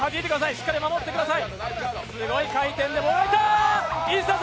しっかり守ってください。